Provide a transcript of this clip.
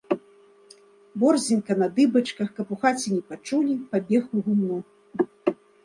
Борздзенька на дыбачках, каб у хаце не пачулі, пабег у гумно.